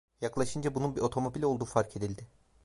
Yaklaşınca bunun bir otomobil olduğu fark edildi.